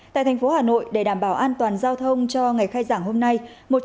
tại thành phố hà nội để đảm bảo an toàn giao thông cho ngày khai giảng hôm nay